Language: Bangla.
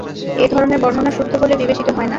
এ ধরনের বর্ণনা শুদ্ধ বলে বিবেচিত হয় না।